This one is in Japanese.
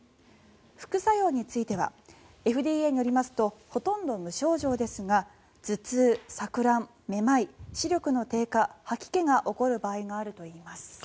副作用についてはＦＤＡによりますとほとんど無症状ですが頭痛、錯乱、めまい視力の低下、吐き気が起こる場合があるといいます。